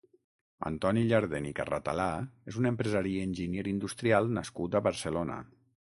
Antoni Llardén i Carratalà és un empresari i enginyer industrial nascut a Barcelona.